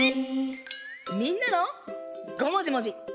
みんなのごもじもじ！